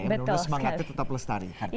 menurut semangatnya tetap lestari